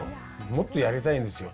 もっとやりたいんですよ。